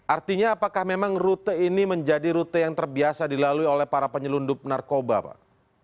artinya apakah memang rute ini menjadi rute yang terbiasa dilalui oleh para penyelundup narkoba pak